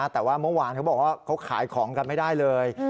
แต่ว่าเมื่อวานเขาบอกว่าเขาขายของกันไม่ได้เลย